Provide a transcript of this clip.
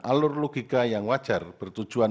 alur logika yang wajar bertujuan